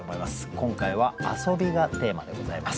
今回は「遊び」がテーマでございます。